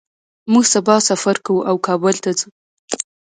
موږ سبا سفر کوو او کابل ته ځو